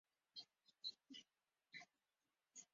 The Rhymney River lies just west of the village.